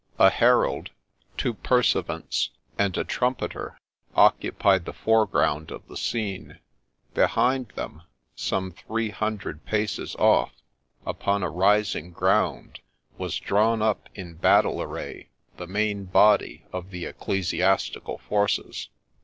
A herald, two pursuivants, and a trumpeter, occupied the foreground of the scene ; behind them, some three hundred paces off, upon a rising ground, was drawn up in battle array the main body of the ecclesiastical forces.